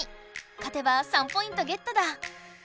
勝てば３ポイントゲットだ！